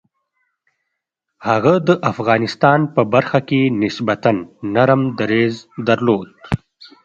هغه د افغانستان په برخه کې نسبتاً نرم دریځ درلود.